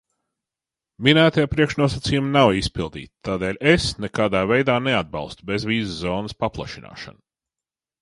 Minētie priekšnosacījumi nav izpildīti, tādēļ es nekādā veidā neatbalstu bezvīzu zonas paplašināšanu.